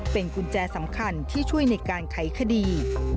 เป็นกุญแจสำคัญที่ช่วยในการไขคดี